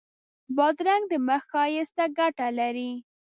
بادرنګ د مخ ښایست ته ګټه لري.